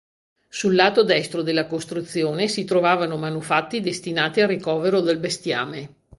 Sul lato destro della costruzione si trovavano manufatti destinati al ricovero del bestiame.